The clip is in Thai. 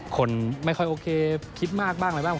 คนไม่ค่อยโอเคคิดมากบ้างอะไรบ้าง